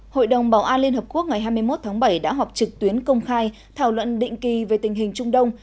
hội đồng bảo an liên hợp quốc ngày hai mươi một tháng bảy đã họp trực tuyến công khai thảo luận định kỳ về tình hình trung đông